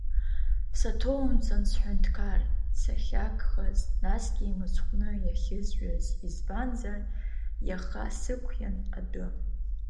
Саҭоумҵан, Сҳәынҭқар, сахьагхаз, насгьы имыцхәны иахьызжәыз, избанзар, иаха сықәиан адәы.